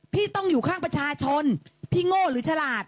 พี่ต้องอยู่ข้างประชาชนพี่โง่หรือฉลาด